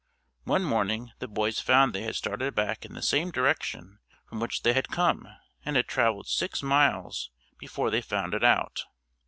One morning the boys found they had started back in the same direction from which they had come and had traveled six miles before they found it out.